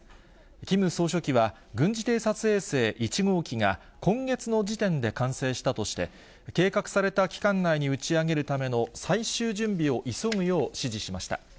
キム総書記は、軍事偵察衛星１号機が、今月の時点で完成したとして、計画された期間内に打ち上げるための最終準備を急ぐよう指示しました。